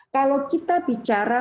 kalau kita bicara